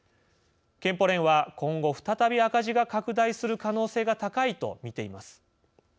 健保連は「今後再び赤字が拡大する可能性が高い」と見ています。